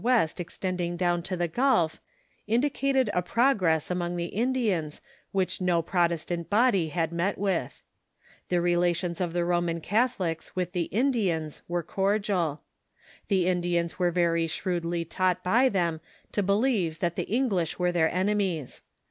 ^ i \V est extending down to the Crult, indicated a progress among the Indians which no Protestant body had met with. The relations of the Roman Catholics with the Ind ians were cordial. The Indians were very shrewdly taught by them to believe that the English were their enemies.